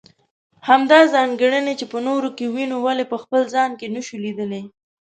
همدا ځانګړنې چې په نورو کې وينو ولې په خپل ځان کې نشو ليدلی.